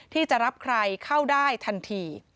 ที่จะรับใครเข้าได้ทันที